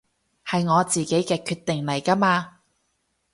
係我自己嘅決定嚟㗎嘛